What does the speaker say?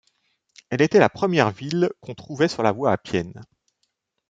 Elle était la première ville qu'on trouvait sur la voie Appienne.